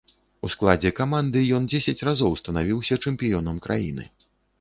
У складзе каманды ён дзесяць разоў станавіўся чэмпіёнам краіны.